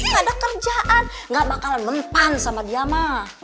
ini gak ada kerjaan gak bakalan mempan sama dia mah